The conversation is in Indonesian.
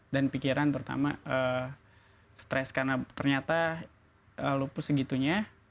dan pikiran pertama stress karena ternyata lupus segitunya